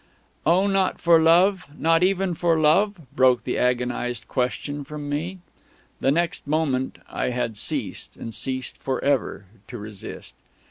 "Oh, not for Love? Not even for Love?" broke the agonised question from me.... The next moment I had ceased, and ceased for ever, to resist.